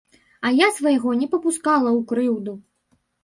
А я свайго не папускала ў крыўду!